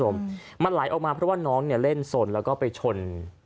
มันล้ายออกมาเพราะว่าน้องเร่นสนไปชน